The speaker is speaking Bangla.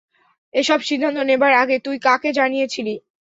এসব সিদ্ধান্ত নেবার আগে তুই কাকে জানিয়েছিলি?